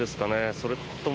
それとも。